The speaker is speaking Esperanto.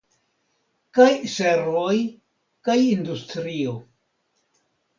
Kaj servoj kaj industrio.